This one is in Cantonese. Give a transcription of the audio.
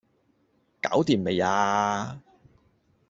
搞掂未呀?